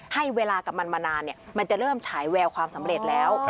ให้เวลากับมันมานานมันจะเริ่มฉายแววความสำเร็จแล้ว